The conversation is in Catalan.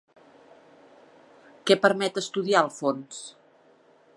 Què permet estudiar el fons?